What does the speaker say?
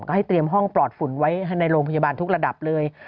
ก็ให้เตรียมห้องปลอดฝุ่นไว้ในโรงพยาบาลทุกระดับเลย